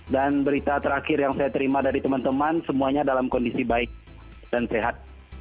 dan berita terakhir yang saya terima dari teman teman semuanya dalam kondisi baik dan sehat